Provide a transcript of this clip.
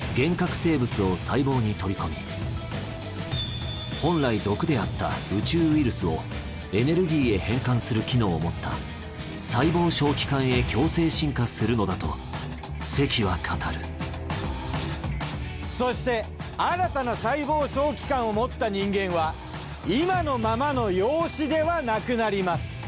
生物を細胞に取り込み本来毒であった宇宙ウイルスをエネルギーへ変換する機能を持った細胞小器官へ共生進化するのだと関は語るそして新たな細胞小器官を持った人間は今のままの容姿ではなくなります。